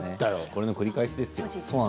この繰り返しですよ。